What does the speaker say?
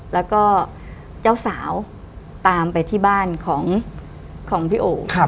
แล้วก็เจ้าสาวตามไปที่บ้านของพี่โอ